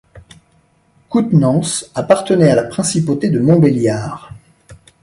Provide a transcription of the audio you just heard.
Couthenans appartenait à la principauté de Montbéliard.